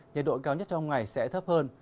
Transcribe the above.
nhiệt độ cao nhất trong ngày sẽ thấp hơn